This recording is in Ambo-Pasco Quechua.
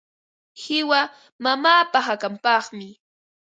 Qiwa mamaapa hakanpaqmi.